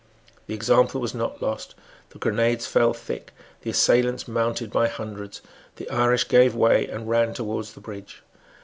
The example was not lost. The grenades fell thick. The assailants mounted by hundreds. The Irish gave way and ran towards the bridge.